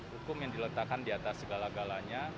hukum yang diletakkan di atas segala galanya